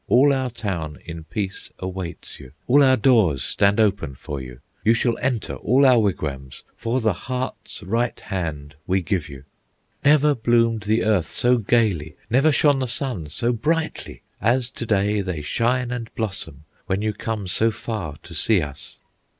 All our town in peace awaits you, All our doors stand open for you; You shall enter all our wigwams, For the heart's right hand we give you. "Never bloomed the earth so gayly, Never shone the sun so brightly, As to day they shine and blossom When you come so far to see us!